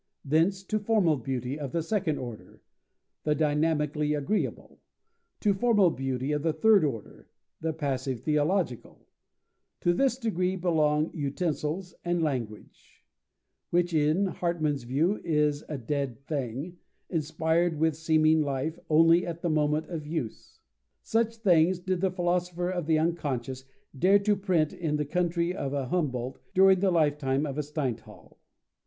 Thence to formal beauty of the second order, the dynamically agreeable, to formal beauty of the third order, the passive teleological; to this degree belong utensils, and language, which in Hartmann's view is a dead thing, inspired with seeming life, only at the moment of use. Such things did the philosopher of the Unconscious dare to print in the country of a Humboldt during the lifetime of a Steinthal!